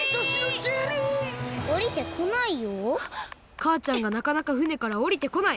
かあちゃんがなかなかふねからおりてこない。